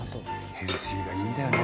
ヘルシーがいいんだよね